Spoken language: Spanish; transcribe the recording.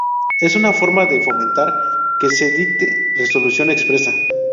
Es una forma de fomentar que se dicte resolución expresa.